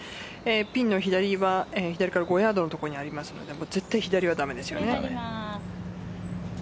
ピンの左は左から５ヤードの所にありますけど絶対、左はだめですよね。